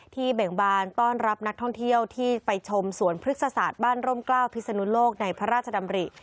เบ่งบานต้อนรับนักท่องเที่ยวที่ไปชมสวนพฤกษศาสตร์บ้านร่มกล้าวพิศนุโลกในพระราชดำริ